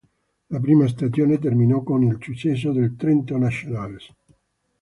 La prima stagione terminò con il successo dei Trenton Nationals.